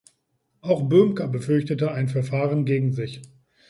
Auch Böhmcker befürchtete ein Verfahren gegen sich.